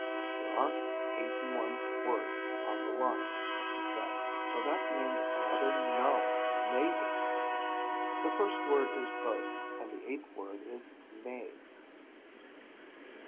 "There aren't 81 words on the lines," he said. "So that means another null, maybe. The first word is 'both' and the eighth word is 'may.'"